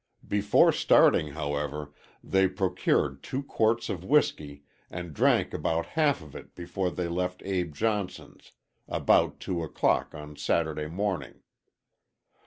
Before starting, however, they procured two quarts of whiskey, and drank about half of it before they left Abe Johnson's, about two o'clock on Saturday morning.